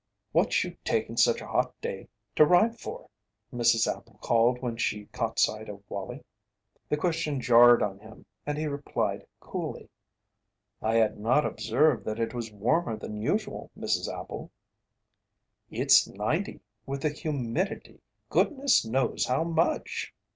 "What you taking such a hot day to ride for?" Mrs. Appel called when she caught sight of Wallie. The question jarred on him and he replied coolly: "I had not observed that it was warmer than usual, Mrs. Appel." "It's ninety, with the humidity goodness knows how much!"